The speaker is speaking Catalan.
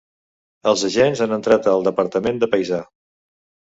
Els agents han entrat al departament de paisà.